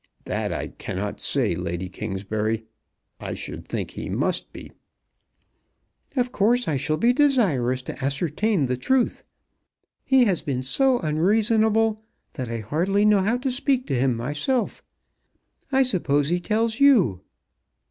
"That I cannot say, Lady Kingsbury. I should think he must be." "Of course I shall be desirous to ascertain the truth. He has been so unreasonable that I hardly know how to speak to him myself. I suppose he tells you!"